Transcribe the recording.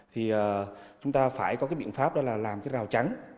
thì chúng ta phải có cái biện pháp đó là làm cái rào chắn